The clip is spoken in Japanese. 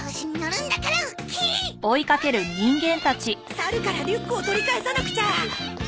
猿からリュックを取り返さなくちゃ。